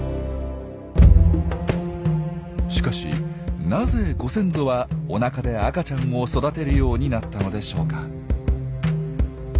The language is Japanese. しかしなぜご先祖はおなかで赤ちゃんを育てるようになったのでしょうか？